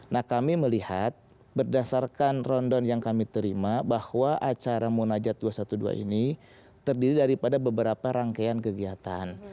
nah kami melihat berdasarkan rondon yang kami terima bahwa acara munajat dua ratus dua belas ini terdiri daripada beberapa rangkaian kegiatan